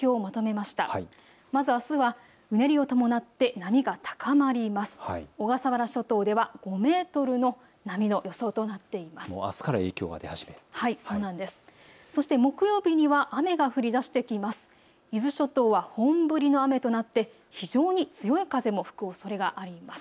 そして木曜日には雨が降りだしてきます。